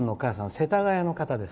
世田谷の方です。